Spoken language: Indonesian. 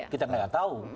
kita yang tahu